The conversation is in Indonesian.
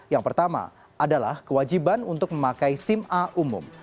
yang pertama adalah kewajiban untuk memakai sim a umum